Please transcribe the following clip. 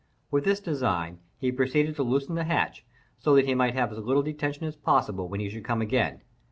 With this design, he proceeded to loosen the hatch, so that he might have as little detention as possible when he should come again.